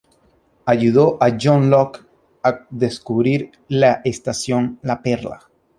Ayudó a John Locke a descubrir la estación "La Perla".